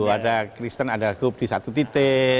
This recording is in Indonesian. ada kristen ada grup di satu titik